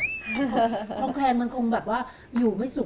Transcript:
ของคุณยายถ้วน